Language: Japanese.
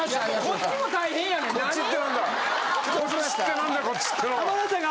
こっちって何だこっちって何だ！